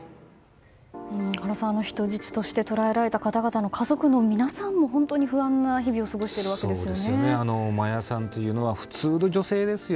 原さん、人質として捕られられた方々の家族も本当に不安な日々を過ごしているわけですよね。